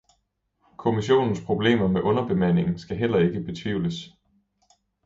Kommissionens problemer med underbemandingen skal heller ikke betvivles.